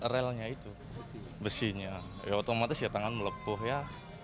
relnya itu besinya ya otomatis ya tangan melepuh ya